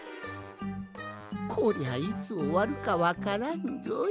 こりゃいつおわるかわからんぞい。